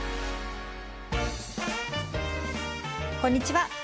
こんにちは。